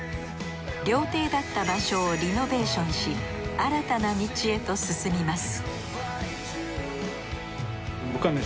料亭だった場所をリノベーションし新たな道へと進みます